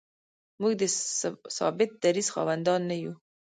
موږ د ثابت دریځ خاوندان نه یو.